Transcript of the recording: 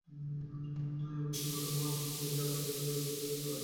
বিশ্বনাথন মৃত্যুর আগে দীর্ঘকাল অসুস্থ ছিলেন।